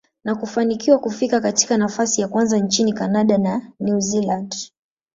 na kufanikiwa kufika katika nafasi ya kwanza nchini Canada na New Zealand.